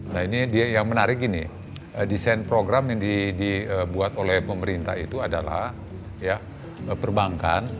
nah ini yang menarik gini desain program yang dibuat oleh pemerintah itu adalah perbankan